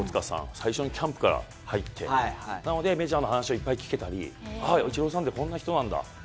最初にキャンプから入ってなのでメジャーの話をいっぱい聞けたり、イチローさんってこんな人なんだと。